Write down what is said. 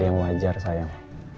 yang wajar sayang